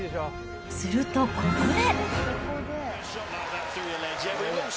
するとここで。